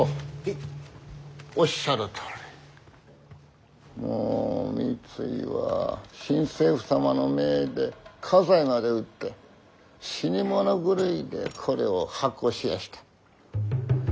おっしゃるとおり三井は新政府様の命で家財まで売って死に物狂いでこれを発行しました。